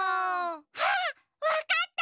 あっわかった！